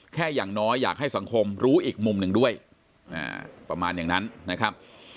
อย่างน้อยอยากให้สังคมรู้อีกมุมหนึ่งด้วยประมาณอย่างนั้นนะครับ